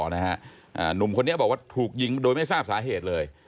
หนุ่มคนนี้ก็บอกว่าถูกยิงโดยไม่ทราบสาเหตุเลย